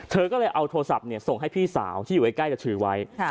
เธอก็เลยเอาโทรศัพท์ส่งให้พี่สาวที่อยู่ใกล้จะถือไว้